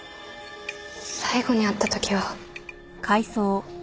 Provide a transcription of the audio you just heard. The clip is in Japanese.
最後に会った時は。